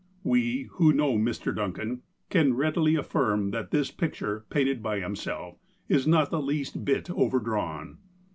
We, who know Mr. Duncan, can readily affirm that this picture, painted by himself, is not the least bit over drawn.